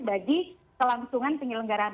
bagi kelangsungan penyelenggaraan